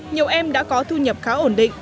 nhiều em đã có thu nhập khá ổn định